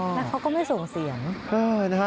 แล้วเขาก็ไม่ส่งเสียง